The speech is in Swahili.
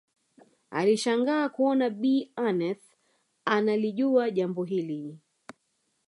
Alishangaa kuona Bi Aneth analijua jambo hili